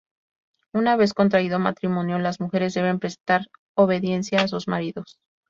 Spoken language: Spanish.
Una vez contraído matrimonio, las mujeres deben prestar obediencia a sus maridos.